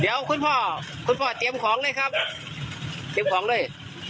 เดี๋ยวคุณพ่อคุณพ่อเตรียมของเลยครับเตรียมของด้วย